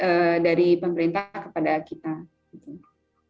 pemerintah harus memberikan concern juga terhadap orang orang yang punya penyakit khusus